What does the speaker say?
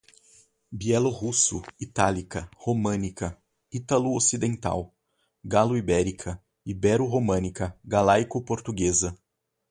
bielorrusso, itálica, românica, ítalo-ocidental, galo-ibérica, ibero-românica, galaico-portuguesa